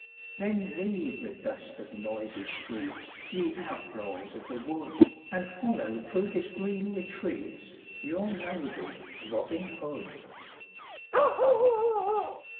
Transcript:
Then leave the dust of noisy streets, Ye outlaws of the wood, And follow through his green retreats Your noble Robin Hood.